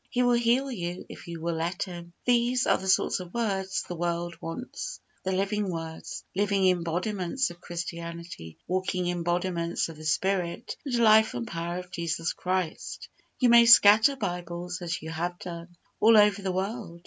He will heal you if you will let Him. These are the sort of words the world wants the living words, living embodiments of Christianity, walking embodiments of the Spirit, and life and power of Jesus Christ. You may scatter Bibles, as you have done, all over the world.